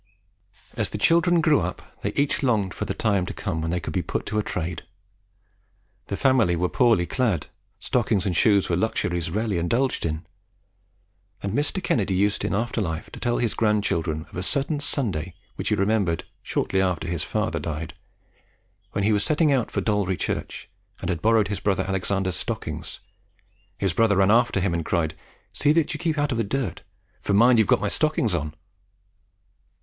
As the children grew up, they each longed for the time to come when they could be put to a trade. The family were poorly clad; stockings and shoes were luxuries rarely indulged in; and Mr. Kennedy used in after life to tell his grandchildren of a certain Sunday which he remembered shortly after his father died, when he was setting out for Dalry church, and had borrowed his brother Alexander's stockings, his brother ran after him and cried, "See that you keep out of the dirt, for mind you have got my stockings on!"